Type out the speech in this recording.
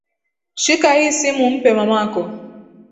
Shika hii simu umpe mamako